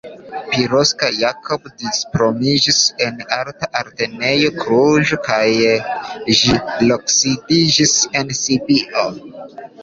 Piroska Jakab diplomitiĝis en Arta Altlernejo Kluĵo kaj ŝi loksidiĝis en Sibio.